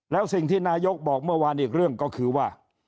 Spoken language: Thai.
แล้วสิ่งที่นายกบอกเมื่อวานอีกเรื่องก็คือว่า